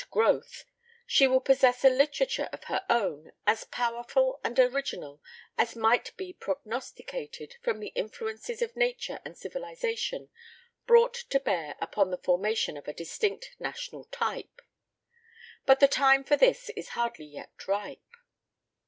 growth, she will possess a literature of her own as powerful and original as might be prognosticated, from the influences of nature and civilisation brought to bear upon the formation of a distinct national type. But the time for this is hardly yet ripe.